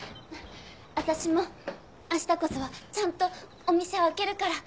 私も明日こそはちゃんとお店を開けるから。